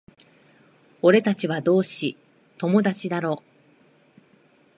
俺たちは同志、友達だろ？